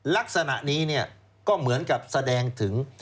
ลักษณะนี้ก็เหมือนกับแสดงถึง